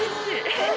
えっ？